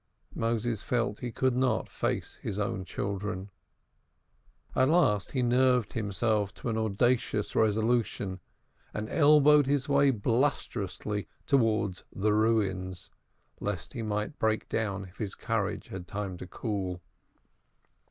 Moses felt he could not face his own children. At last he nerved himself to an audacious resolution, and elbowed his way blusterously towards the Ruins, lest he might break down if his courage had time to cool.